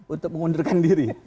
untuk mengundurkan diri